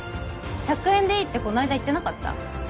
１００円でいいってこの間言ってなかった？